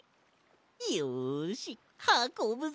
よしはこぶぞ！